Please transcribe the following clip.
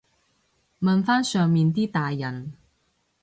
問返上面啲大人